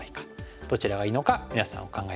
どちらがいいのか皆さんお考え下さい。